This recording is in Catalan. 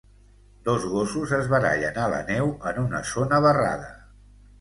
Dos gossos es barallen a la neu en una zona barrada.